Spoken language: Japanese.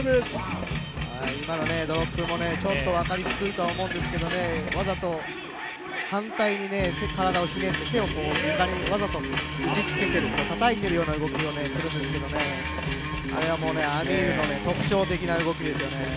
今のドロップも少し分かりにくいと思うんですけどねわざと反対に体をひねって、手を床にわざとたたいてるような動きしているんですけど、あれはＡｍｉｒの特徴的な動きですよね。